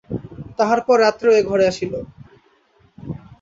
তাহার পর রাত্রেও ঘরে আসিল।